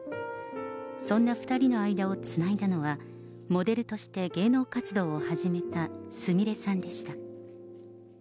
そんな２人の間をつないだのは、モデルとして芸能活動を始めたすみれさんでした。